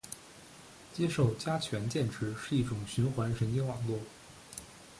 接收加权键值是一种循环神经网络